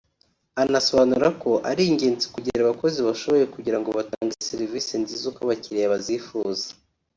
Anasobanura ko ari ingenzi kugira abakozi bashoboye kugira ngo batange serivisi nziza uko abakiriya bazifuza